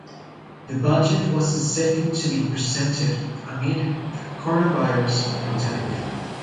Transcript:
The budget was the second to be presented amid the Coronavirus pandemic.